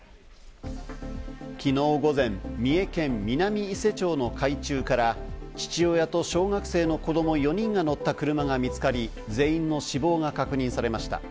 きのう午前、三重県南伊勢町の海中から父親と小学生の子ども４人が乗った車が見つかり、全員の死亡が確認されました。